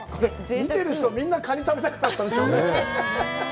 見てる人、みんなカニ食べたくなったでしょうね。